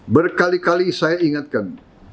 berkali kali saya ingatkan